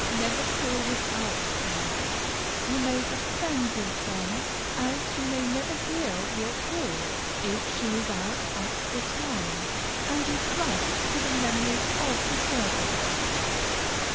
Never call without cards. You may offend your friend, as she may never hear of your call, if she is out at the time, and you trust to the memory of the servant.